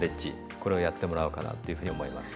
これをやってもらおうかなっていうふうに思います。